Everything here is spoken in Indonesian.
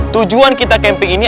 tujuan kita camping ini